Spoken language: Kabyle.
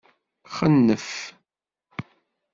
Xennef.